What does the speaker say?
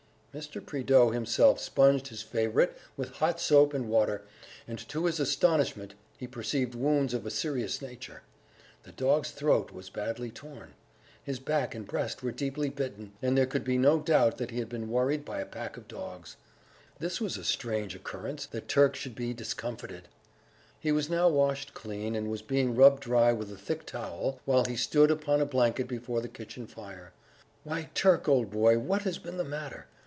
Mr. Prideaux himself sponged his favourite with hot soap and water, and, to his astonishment, he perceived wounds of a serious nature: the dog's throat was badly torn, his back and breast were deeply bitten, and there could be no doubt that he had been worried by a pack of dogs. This was a strange occurrence, that Turk should be discomfited! He was now washed clean, and was being rubbed dry with a thick towel while he stood upon a blanket before the kitchen fire.... "Why, Turk, old boy, what has been the matter?